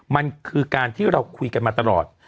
มันคือการที่เราคุยกันมาตลอด